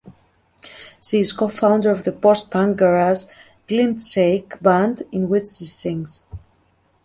She is co-founder of the post-punk garage Glintshake band in which she sings.